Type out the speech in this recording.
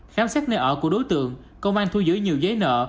khám xét nơi ở của đối tượng công an thu giữ nhiều giấy nợ